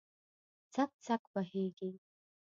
څک، څک بهیږې